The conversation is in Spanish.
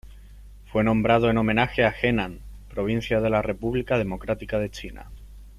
Fue nombrado en homenaje a Henan, provincia de la República Democrática de China.